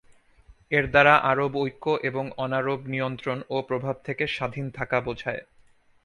এর দ্বারা আরব ঐক্য এবং অনারব নিয়ন্ত্রণ ও প্রভাব থেকে স্বাধীন থাকা বোঝায়।